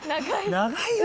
長いよ。